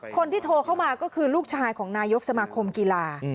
คนที่โทรเข้ามาก็คือลูกชายของนายกสมาคมกีฬา